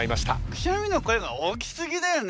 くしゃみの声が大きすぎだよね。